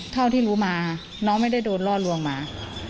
เท่าที่รู้มาน้องไม่ได้โดนล่อลวงมา